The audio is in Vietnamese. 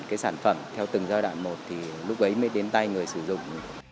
cái sản phẩm theo từng giai đoạn một thì lúc ấy mới đến tay người sử dụng